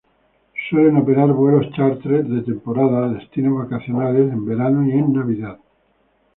Suelen operar vuelos chárter de temporada a destinos vacacionales en verano y en Navidad.